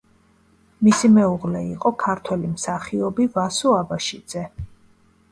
მისი მეუღლე იყო ქართველი მსახიობი ვასო აბაშიძე.